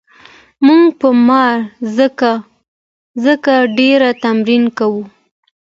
موږ په مار ځکه ډېر تمرکز کوو.